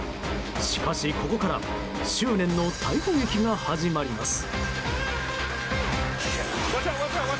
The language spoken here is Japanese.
しかしここから執念の逮捕劇が始まります。